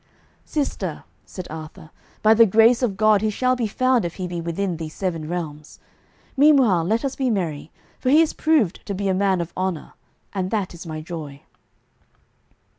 "Sister," said Arthur, "by the grace of God he shall be found if he be within these seven realms. Meanwhile let us be merry, for he is proved to be a man of honour, and that is my joy."